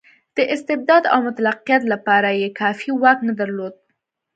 د استبداد او مطلقیت لپاره یې کافي واک نه درلود.